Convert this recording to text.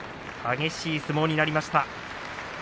激しい相撲になりました。